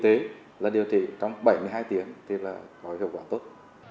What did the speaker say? điều trị trong bảy mươi hai tiếng thì là có hiệu quả tốt